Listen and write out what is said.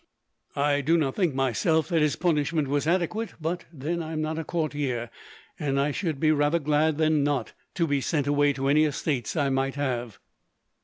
"I do not think, myself, that his punishment was adequate; but then, I am not a courtier, and should be rather glad than not, to be sent away to any estates I might have."